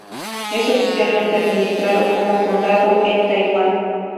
Es oficialmente administrado como condado de Taiwán.